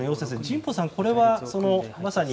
神保さん、これはまさに。